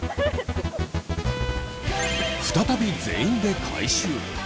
再び全員で回収。